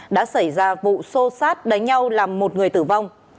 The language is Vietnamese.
đã xảy ra vụ sô sát đánh nhau làm một người tử vong